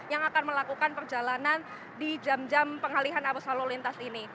yang akan melakukan perjalanan di jam jam pengalihan arus lalu lintas ini